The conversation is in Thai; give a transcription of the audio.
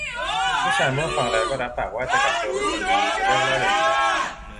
ลูกชายเมื่อฟังแล้วก็รับปากว่า จะกลับตัวเป็นคนดี จะเลิกเหล้าเด็ดขาด